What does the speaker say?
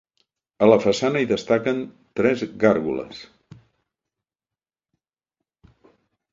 A la façana hi destaquen tres gàrgoles.